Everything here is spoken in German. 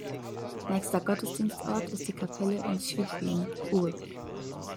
Nächster Gottesdienstort ist die Kapelle in Świdwin, ul.